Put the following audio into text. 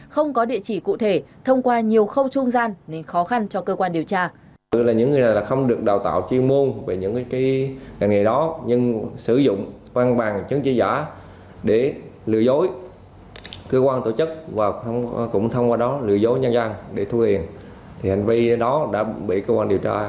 không có địa chỉ cụ thể thông qua nhiều khâu trung gian nên khó khăn cho cơ quan điều tra